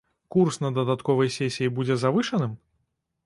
Курс на дадатковай сесіі будзе завышаным?